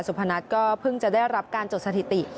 พนัทก็เพิ่งจะได้รับการจดสถิติ